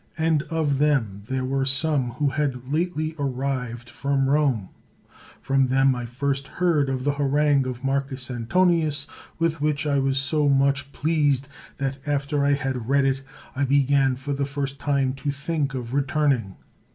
And of them there were some who had lately arrived from Rome; from them I first heard of the harang of Marcus Antonius, with which I was 80 much pleased that, after I had read it, I began for the first time to think of returning.